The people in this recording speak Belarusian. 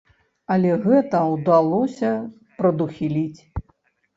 Але гэта ўдалося прадухіліць.